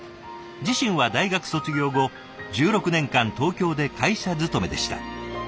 自身は大学卒業後１６年間東京で会社勤めでした。